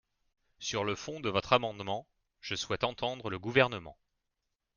Sur le fond de votre amendement, je souhaite entendre le Gouvernement.